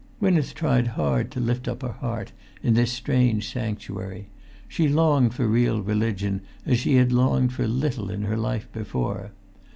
[Pg 353]Gwynneth tried hard to lift up her heart in this strange sanctuary. She longed for real religion as she had longed for little in her life before.